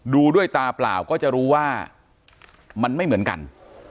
ดูด้วยตาเปล่าก็จะรู้ว่ามันไม่เหมือนกัน